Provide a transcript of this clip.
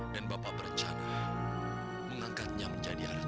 dan bapak berencana mengangkatnya menjadi aritangkat